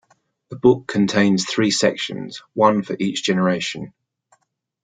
The book contains three sections, one for each generation.